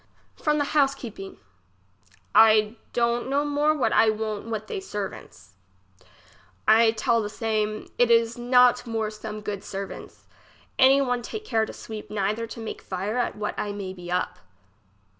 From the house^heeping. I don't know more what I won't with they ser vants. I tell the same, it is not more some good ser vants. Any one take care to sweep neither to make fire at what I may be up.